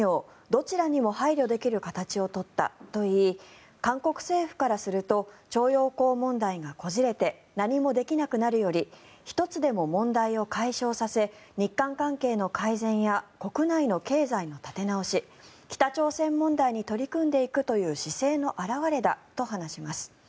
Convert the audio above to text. どちらにも配慮できる形を取ったと言い韓国政府からすると徴用工問題がこじれて何もできなくなるより１つでも問題を解消させ日韓関係の改善や国内の経済立て直し北朝鮮問題に取り組んでいくという姿勢の表れだと話します。